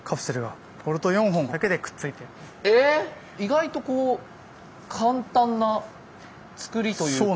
意外と簡単なつくりというか。